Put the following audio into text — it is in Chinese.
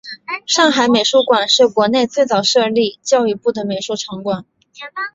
上海美术馆是国内最早设立教育部的美术场馆。